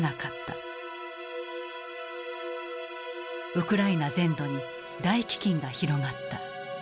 ウクライナ全土に大飢きんが広がった。